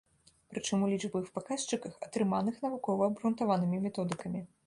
Прычым, у лічбавых паказчыках, атрыманых навукова-абгрунтаванымі методыкамі.